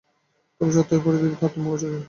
তবে স্বার্থের পরিধির তারতম্য আছে।